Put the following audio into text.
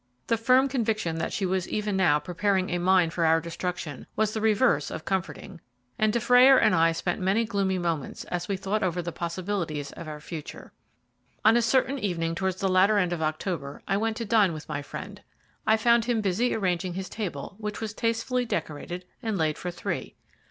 The firm conviction that she was even now preparing a mine for our destruction was the reverse of comforting, and Dufrayer and I spent many gloomy moments as we thought over the possibilities of our future. On a certain evening towards the latter end of October I went to dine with my friend. I found him busy arranging his table, which was tastefully decorated, and laid for three.